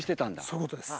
そういうことです。